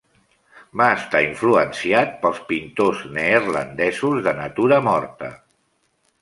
Va estar influenciat pels pintors neerlandesos de natura morta.